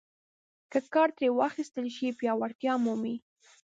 که کار ترې واخیستل شي پیاوړتیا مومي.